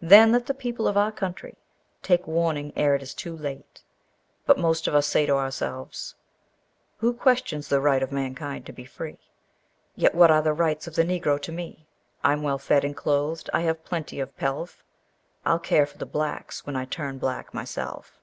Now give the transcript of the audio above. Then let the people of our country take warning ere it is too late. But most of us say to ourselves, "'Who questions the right of mankind to be free? Yet, what are the rights of the Negro to me? I'm well fed and clothed, I have plenty of pelf I'll care for the blacks when I turn black myself.'